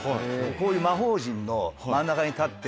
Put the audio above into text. こういう魔法陣の真ん中に立って。